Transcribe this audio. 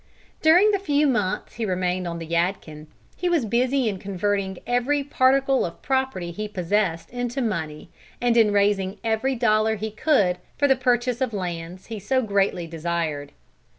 During the few months he remained on the Yadkin, he was busy in converting every particle of property he possessed into money, and in raising every dollar he could for the purchase of lands he so greatly desired.